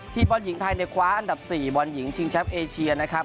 บอลหญิงไทยในคว้าอันดับ๔บอลหญิงชิงแชมป์เอเชียนะครับ